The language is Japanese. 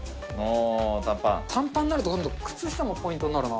短パンになると、今度、靴下もポイントになるな。